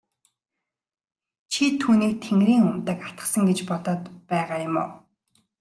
Чи түүнийг тэнгэрийн умдаг атгасан гэж бодоод байгаа юм уу?